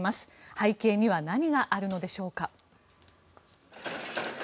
背景には何があるのでしょうか。